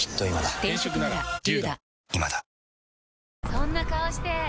そんな顔して！